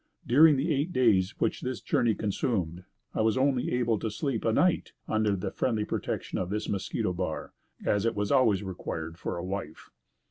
During the eight days which this journey consumed, I was only able once to sleep a night under the friendly protection of this mosquito bar, as it was always required for a wife.